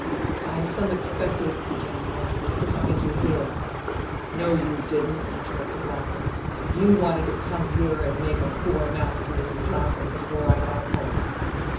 "I some expected," began Rogers, "to find you here " "No, you didn't," interrupted Lapham; "you wanted to come here and make a poor mouth to Mrs. Lapham before I got home."